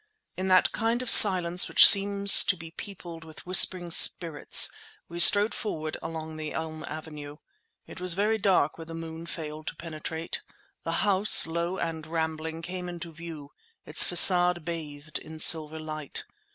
In that kind of silence which seems to be peopled with whispering spirits we strode forward along the elm avenue. It was very dark where the moon failed to penetrate. The house, low and rambling, came into view, its facade bathed in silver light.